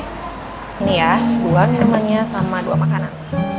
ini ya dua minumannya sama dua makanan